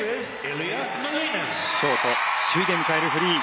ショート首位で迎えるフリー。